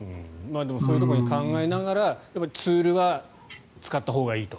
でも、そういうことを考えながらでもツールは使ったほうがいいと。